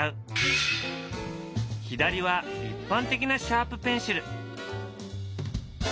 左は一般的なシャープペンシル。